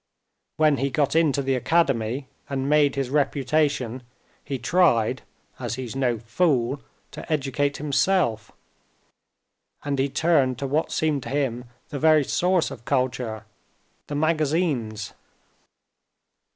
When he got into the academy and made his reputation he tried, as he's no fool, to educate himself. And he turned to what seemed to him the very source of culture—the magazines.